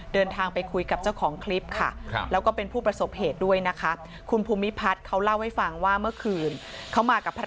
เดินทางไปคุยกับเจ้าของคลิปค่ะ